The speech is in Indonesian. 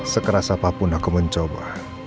sekerasa apapun aku mencoba